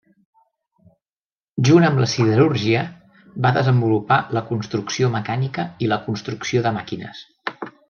Junt amb la siderúrgia, va desenvolupar la construcció mecànica i la construcció de màquines.